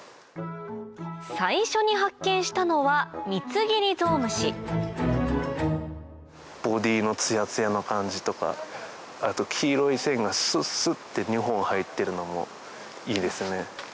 最初に発見したのはボディーのツヤツヤの感じとかあと黄色い線がスッスッて２本入ってるのもいいですね。